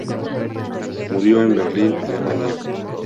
Murió en Berlín, Alemania.